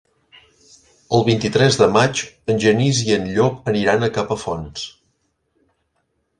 El vint-i-tres de maig en Genís i en Llop aniran a Capafonts.